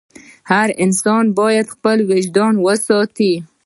هر انسان باید خپل وجدان وساتي.